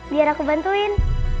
biar aku bantuin